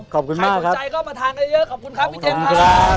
ใครสนใจก็มาทานกันเยอะขอบคุณครับพี่เจมส์ครับ